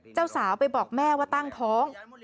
เจ้าสาวไปบอกแม่ว่าตั้งท้อง